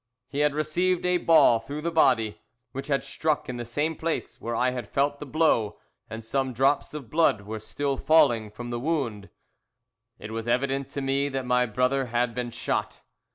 "He had received a ball through the body, which had struck in the same place where I had felt the blow, and some drops of blood were still falling from the wound. "It was evident to me that my brother had been shot.